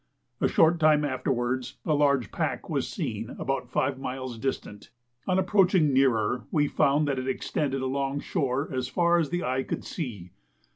A short time afterwards a large pack was seen about five miles distant. On approaching nearer, we found that it extended along shore as far as the eye could see.